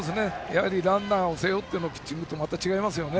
ランナーを背負ってのピッチングとはまた違いますよね。